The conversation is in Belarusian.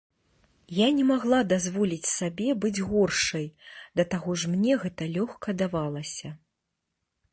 Я не магла дазволіць сабе быць горшай, да таго ж мне гэта лёгка давалася.